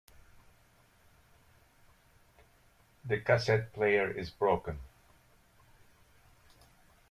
The cassette player is broken.